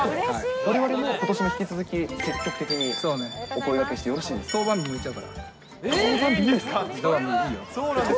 われわれも、ことしも引き続き、積極的にお声がけしてよろしいですか？